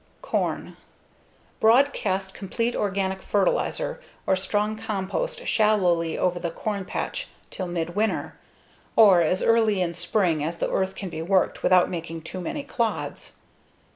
Corn Broadcast complete organic fertilizer or strong compost shallowly over the corn patch till midwinter, or as early in spring as the earth can be worked without making too many clods.